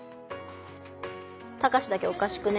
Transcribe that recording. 「タカシだけおかしくね？」